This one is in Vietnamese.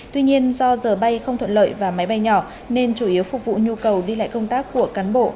tuy nhiên do giờ bay không thuận lợi và máy bay nhỏ nên chủ yếu phục vụ nhu cầu đi lại công tác của cán bộ